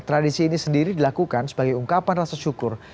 tradisi ini sendiri dilakukan sebagai ungkapan rasa syukur